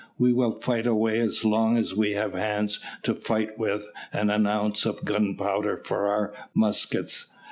"We will fight away as long as we have hands to fight with and an ounce of gunpowder for our muskets.